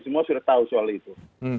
semua sudah tahu soal itu